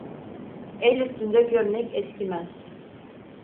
El üstünde gömlek eskimez.